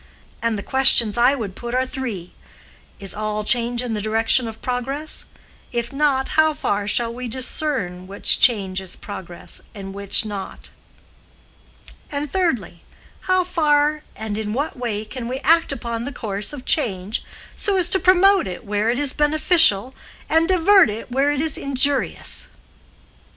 And the questions I would put are three: Is all change in the direction of progress? if not, how shall we discern which change is progress and which not? and thirdly, how far and in what way can we act upon the course of change so as to promote it where it is beneficial, and divert it where it is injurious?"